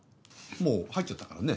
もう入っちゃったからね。